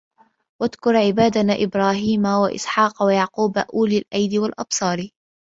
وَاذكُر عِبادَنا إِبراهيمَ وَإِسحاقَ وَيَعقوبَ أُولِي الأَيدي وَالأَبصارِ